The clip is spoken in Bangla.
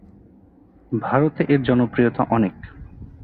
ভারতে এর জনপ্রিয়তা অনেক।